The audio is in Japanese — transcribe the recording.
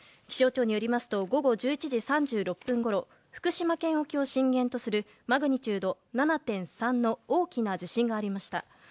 気象庁によりますと午後１１時３６分ごろ福島県沖を震源とするマグニチュード７．３の大きな地震がありました。